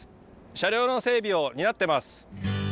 車両の整備を担ってます。